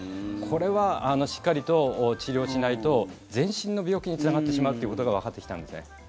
これはしっかりと治療しないと全身の病気につながってしまうということがわかってきたんですね。